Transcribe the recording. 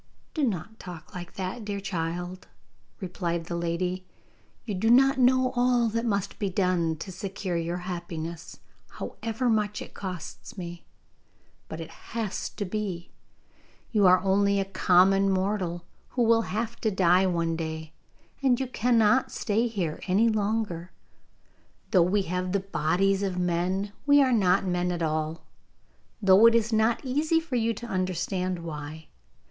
'Do not talk like that, dear child,' replied the lady; 'you do not know all that must be done to secure your happiness, however much it costs me. But it has to be. You are only a common mortal, who will have to die one day, and you cannot stay here any longer. Though we have the bodies of men, we are not men at all, though it is not easy for you to understand why.